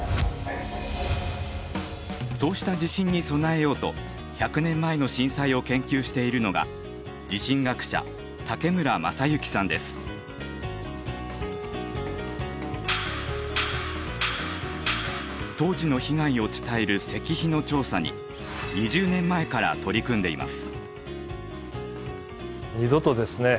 そうした地震に備えようと１００年前の震災を研究しているのが当時の被害を伝える石碑の調査に２０年前から取り組んでいます。